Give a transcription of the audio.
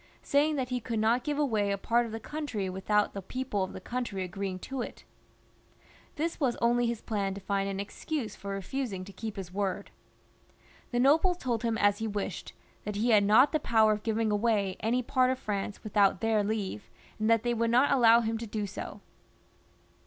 I > XXXV.] ^ FRANCIS L 251 saying that he could not give away a part of the country without the people of the country agreeing to it. This was only his plan to find an excuse for refusing to keep his word. The nobles told him as he wished, that he had not the power of giving away any part of France without their leave, and that they would not allow him to do so.